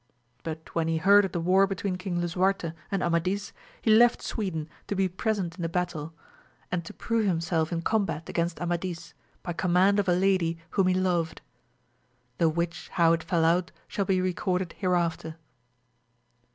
But when he heard of the war between King Lisuarte and Amadis, he left Sweden to be pre sent in the battle, and to prove himself in combat against Amadis, by command of a lady whom he loved. The which how it fell out shall be recorded hereafter.